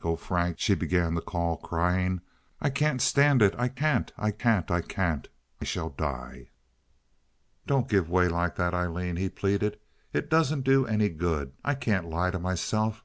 Oh, Frank!" she began to call, crying. "I can't stand it! I can't! I can't! I can't! I shall die." "Don't give way like that, Aileen," he pleaded. "It doesn't do any good. I can't lie to myself.